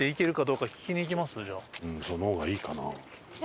うん、その方がいいかな。